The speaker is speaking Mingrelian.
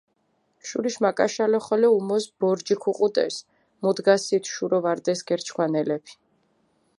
შურიშ მაკაშალო ხოლო უმოს ბორჯი ქუღუდეს, მუდგასით შურო ვარდეს გერჩქვანელეფი.